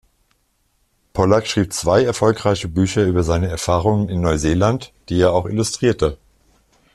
Polack schrieb zwei erfolgreiche Bücher über seine Erfahrungen in Neuseeland, die er auch illustrierte.